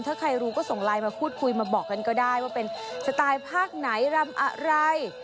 ถ้าใครรู้ก็ส่งไลน์มาพูดคุยมาบอกกันก็ได้ว่าเป็นสไตล์ภาคไหนรำอะไร